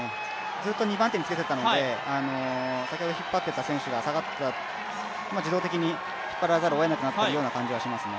ずっと２番手につけていたので、先ほど引っ張っていた選手が下がったら、自動的に引っ張らざるをえなくなっている感じがありますね。